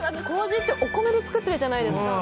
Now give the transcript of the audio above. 麹ってお米で作ってるじゃないですか。